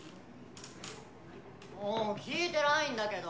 もう聞いてないんだけど！